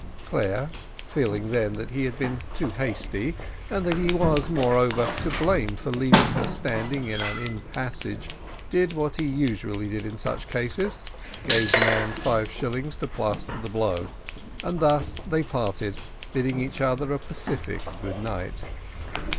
Clare, feeling then that he had been too hasty, and that he was, moreover, to blame for leaving her standing in an inn passage, did what he usually did in such cases, gave the man five shillings to plaster the blow; and thus they parted, bidding each other a pacific good night.